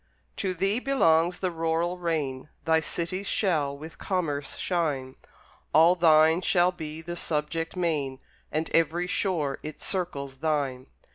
To thee belongs the rural reign; Thy cities shall with commerce shine; All thine shall be the subject main, And every shore it circles thine.